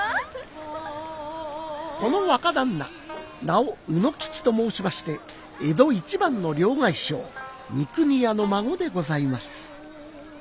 この若旦那名を卯之吉と申しまして江戸一番の両替商三国屋の孫でございます。